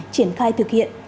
triển khai thực hiện